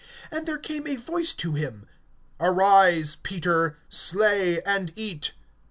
(13)And there came a voice to him: Arise, Peter; slay, and eat.